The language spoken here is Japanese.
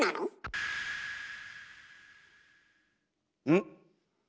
ん？